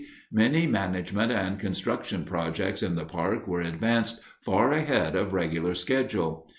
many management and construction projects in the park were advanced far ahead of regular schedule.